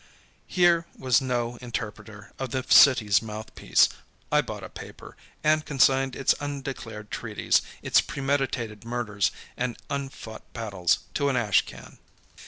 Here was no interpreter of the city's mouthpiece. I bought a paper, and consigned its undeclared treaties, its premeditated murders and unfought battles to an ash can.